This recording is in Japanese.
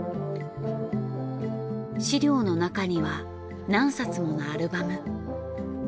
資料のなかには何冊ものアルバム。